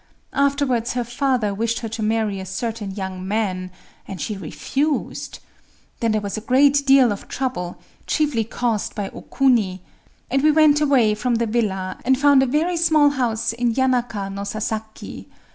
Afterwards her father wished her to marry a certain young man; and she refused. Then there was a great deal of trouble,—chiefly caused by O Kuni;—and we went away from the villa, and found a very small house in Yanaka no Sasaki.